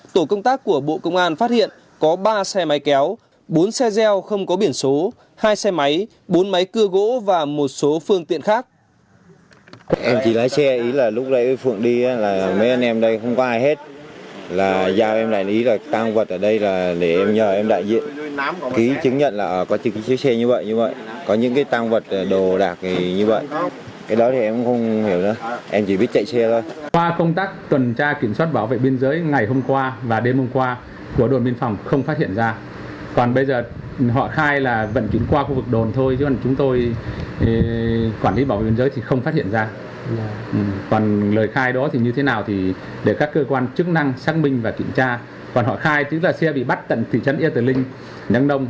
tổ công tác của bộ công an phát hiện có ba xe máy kéo bốn xe gieo không có biển số hai xe máy kéo ba xe máy kéo ba xe máy kéo ba xe máy kéo ba xe máy kéo ba xe máy kéo ba xe máy kéo ba xe máy kéo ba xe máy kéo ba xe máy kéo ba xe máy kéo ba xe máy kéo ba xe máy kéo ba xe máy kéo ba xe máy kéo ba xe máy kéo ba xe máy kéo ba xe máy kéo ba xe máy kéo ba xe máy kéo ba xe máy kéo ba xe máy kéo ba xe máy kéo ba x